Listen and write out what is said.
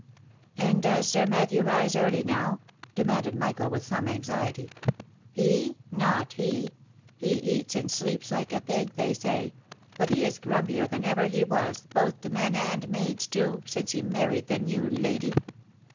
"And does Sir Matthew rise early now?" demanded Michael with some anxiety. " He !— not he ! He eats and sleeps like a pig, they say ; but he is grumpier than ever he was, both to men and maids too, since he married the new lady.